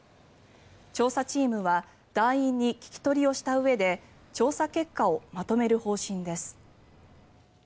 調査チームは団員に聞き取りをしたうえで調査結果をまとめる方針です。